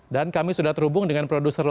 dan kami sudah terhubung dengan produser lainnya